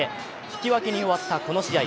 引き分けに終わったこの試合。